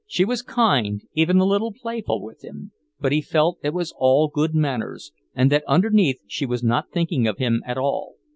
She was kind, even a little playful with him; but he felt it was all good manners, and that underneath she was not thinking of him at all.